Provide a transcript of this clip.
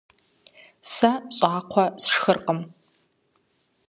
Сэ щӀакхъуэ сшхыркъым.